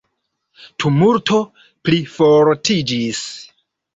Tumulto plifortiĝis.